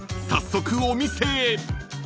早速お店へ］